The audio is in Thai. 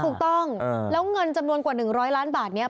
ถูกต้องแล้วเงินจำนวนกว่า๑๐๐ล้านบาทนี้